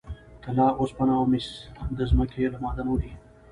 طلا، اوسپنه او مس د ځمکې له معادنو دي.